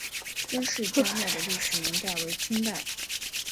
孙氏家庙的历史年代为清代。